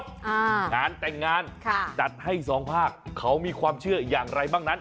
งานแต่งงานค่ะจัดให้สองภาคเขามีความเชื่ออย่างไรบ้างนั้น